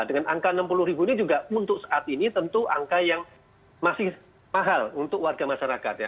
dengan angka enam puluh ribu ini juga untuk saat ini tentu angka yang masih mahal untuk warga masyarakat ya